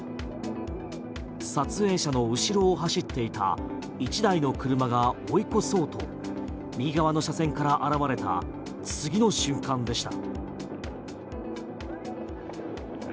撮影者の後ろを走っていた１台の車が追い越そうと右側の車線から現れた次の瞬間でした。